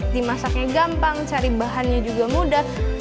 dimasaknya gampang cari bahannya juga mudah